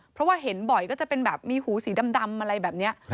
เพราะว่าเห็นบ่อยก็จะเป็นแบบมีหูสีดำอะไรแบบนี้